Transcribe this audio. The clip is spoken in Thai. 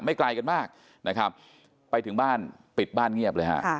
ไกลกันมากนะครับไปถึงบ้านปิดบ้านเงียบเลยฮะ